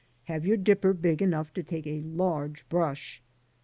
Have your dipper big enough to take a large brush.